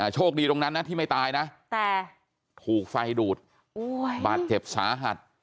โชคดีตรงนั้นนะที่ไม่ตายนะแต่ถูกไฟดูดบาดเจ็บสาหัส